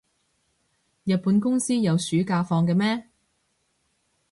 日本公司有暑假放嘅咩？